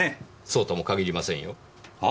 そうとも限りませんよ。は？